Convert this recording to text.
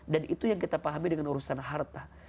dan itu yang kita pahami dengan urusan harta